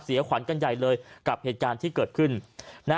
ขวัญกันใหญ่เลยกับเหตุการณ์ที่เกิดขึ้นนะ